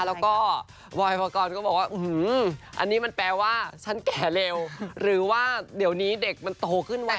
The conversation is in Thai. แล้วก็บอยปกรก็บอกว่าอันนี้มันแปลว่าฉันแก่เร็วหรือว่าเดี๋ยวนี้เด็กมันโตขึ้นไว